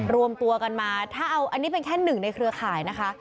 รวมตัวกันมาถ้าเอาอันนี้เป็นแค่หนึ่งในเครือข่ายนะคะ